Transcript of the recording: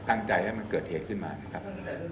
ตั้งใจให้มันเกิดเหตุขึ้นมานะครับ